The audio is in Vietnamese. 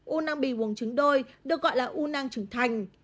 u năng bì bùng trứng đôi được gọi là u năng trưởng thành